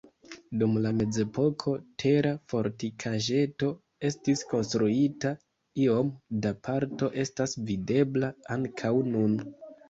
Dum la mezepoko tera fortikaĵeto estis konstruita, iom da parto estas videbla ankaŭ nun.